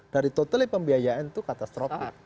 dari totalnya pembiayaan itu katastrofik